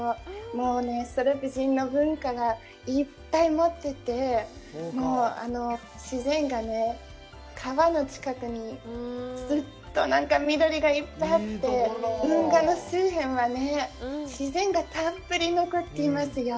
もうソルブ人の文化がいっぱい持ってて、自然が川の近くに、ずっと緑がいっぱいあって、運河の周辺は自然がたっぷり残ってますよ。